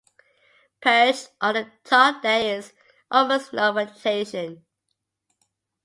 Perched on the top there is almost no vegetation.